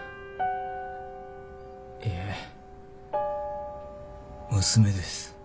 いえ娘です。